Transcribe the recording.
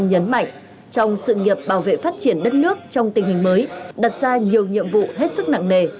đặt ra nhiều nhiệm vụ hết sức nặng nề